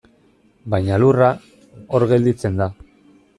Baina lurra, hor gelditzen da.